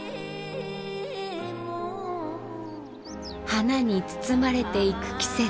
花に包まれていく季節。